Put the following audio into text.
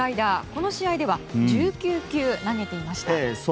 この試合では１９球投げていました。